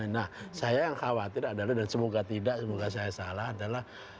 nah saya yang khawatir adalah dan semoga tidak semoga saya salah adalah